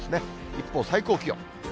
一方、最高気温。